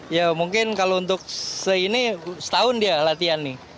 ya mungkin kalau untuk se ini setahun dia latihan nih